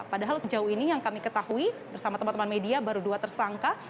padahal sejauh ini yang kami ketahui bersama teman teman media baru dua tersangka